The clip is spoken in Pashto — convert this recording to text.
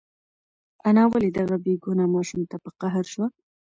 انا ولې دغه بېګناه ماشوم ته په قهر شوه؟